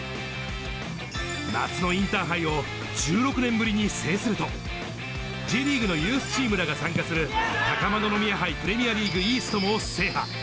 夏のインターハイを１６年ぶりに制すると、Ｊリーグのユースチームらが参加する、高円宮杯プレミアリーグＥＡＳＴも制覇。